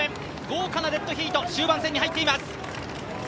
豪華なデッドヒート、終盤戦に入っています。